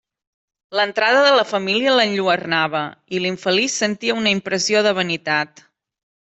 L'entrada de la família l'enlluernava, i l'infeliç sentia una impressió de vanitat.